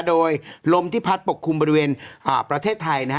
โดยลมที่พัดปกคลุมบริเวณประเทศไทยนะฮะ